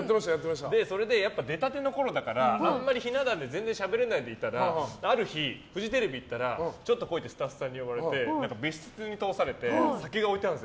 それで、やっぱり出たてのころだからあんまり、ひな壇で全然しゃべれないでいたらある日、フジテレビ行ったらちょっと来いってスタッフさんに言われて別室に通されて酒が置いてあるんです。